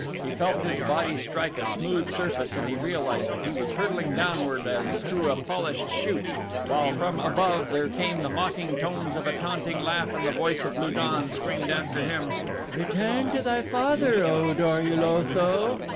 He felt his body strike a smooth surface and he realized that he was hurtling downward as through a polished chute while from above there came the mocking tones of a taunting laugh and the voice of Lu don screamed after him: "Return to thy father, O Dor ul Otho!"